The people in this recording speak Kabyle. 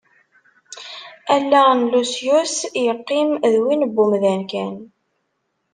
Allaɣ n Lusyus yeqqim d win n wemdan kan.